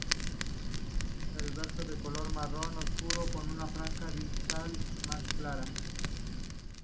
El reverso es de color marrón oscuro con una franja distal más clara.